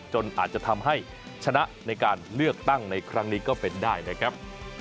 จนอาจจะทำให้ชนะในการเลือกตั้งในครั้งนี้ก็เป็นได้นะครับ